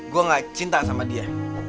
gue gak cinta sama dia